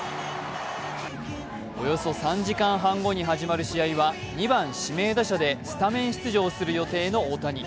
およそ３時間半後に始まる試合は２番・指名打者でスタメン出場する予定の大谷。